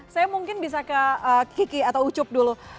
saya mungkin bisa ke kiki atau ucup dulu